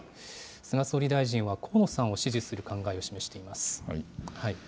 菅総理大臣は河野さんを支持する考えを示しています。